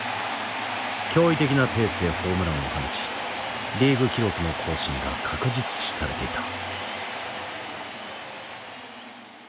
驚異的なペースでホームランを放ちリーグ記録の更新が確実視されていた。